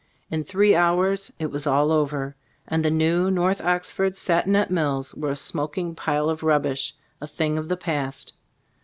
In three hours it was all over, and the new North Oxford Satinet Mills were a smoking pile of rubbish, a thing of the past.